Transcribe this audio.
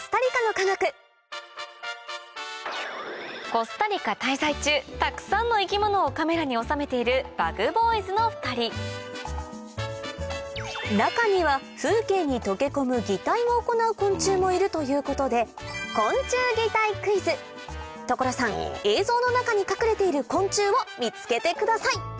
コスタリカ滞在中たくさんの生き物をカメラに納めているＢｕｇＢｏｙｓの２人中には風景に溶け込む擬態を行う昆虫もいるということで所さん映像の中に隠れている昆虫を見つけてください